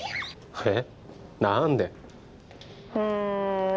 えっ？